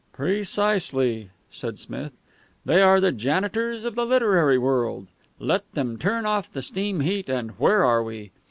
"Precisely," said Smith. "They are the janitors of the literary world. Let them turn off the steam heat, and where are we?